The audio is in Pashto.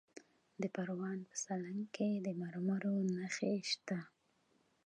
د پروان په سالنګ کې د مرمرو نښې شته.